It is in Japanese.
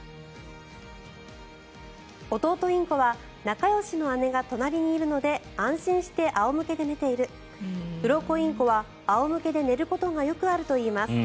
弟インコは仲よしの姉が隣にいるので安心して仰向けで寝ているウロコインコは仰向けで寝ることがよくあるといいます。